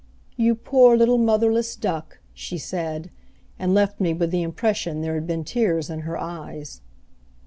"You poor little motherless duck," she said, and left me with the impression there had been tears in her eyes.